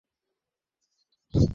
হাত সরাও আমার গা থেকে!